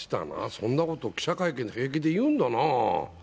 そんなこと記者会見で平気で言うんだな。